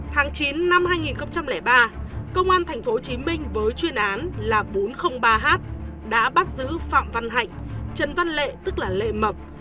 tháng chín năm hai nghìn ba công an tp hcm với chuyên án là bốn trăm linh ba h đã bắt giữ phạm văn hạnh trần văn lệ tức là lệ mập